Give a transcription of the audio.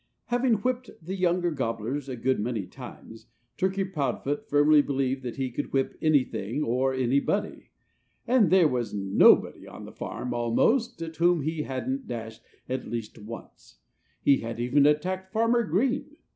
Having whipped the younger gobblers a good many times, Turkey Proudfoot firmly believed that he could whip anything or anybody. And there was nobody on the farm, almost, at whom he hadn't dashed at least once. He had even attacked Farmer Green.